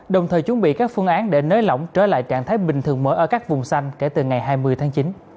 đồng thời chuẩn bị các phương án để nới lỏng trở lại trạng thái bình thường mới ở các vùng xanh kể từ ngày hai mươi tháng chín